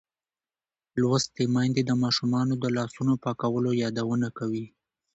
لوستې میندې د ماشومانو د لاسونو پاکولو یادونه کوي.